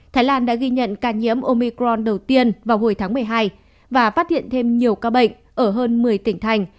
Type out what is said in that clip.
thái lan đã ghi nhận ca nhiễm omicron đầu tiên vào hồi tháng một mươi hai và phát hiện thêm nhiều ca bệnh ở hơn một mươi tỉnh thành